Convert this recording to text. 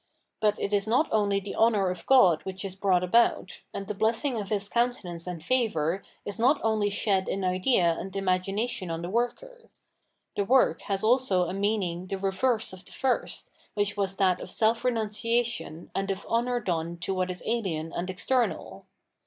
But it is not only the honour of God which is brought about, and the blessing of His coimtenance and favour is not only shed in idea and imagination on the worker ; the work has also a meaning the reverse of the first which was that of self renunciation and of honour done to what is ahen and external.